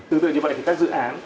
tương tự như vậy thì các dự án